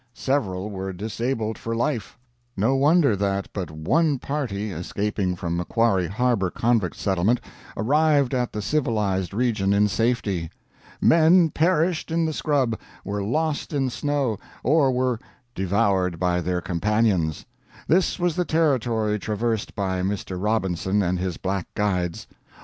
Several were disabled for life. No wonder that but one party, escaping from Macquarrie Harbor convict settlement, arrived at the civilized region in safety. Men perished in the scrub, were lost in snow, or were devoured by their companions. This was the territory traversed by Mr. Robinson and his Black guides.